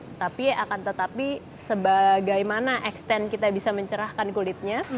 tetapi akan tetapi sebagaimana extend kita bisa mencerahkan kulitnya